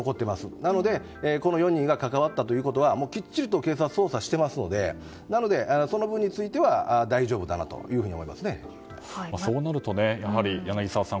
なので、この４人が関わったということはきっちりと警察は捜査していますのでなので、その分についてはそうなると、やはり柳澤さん